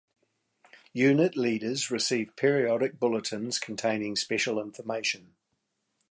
Unit leaders receive periodic bulletins containing special information.